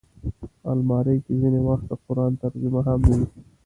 الماري کې ځینې وخت د قرآن ترجمه هم وي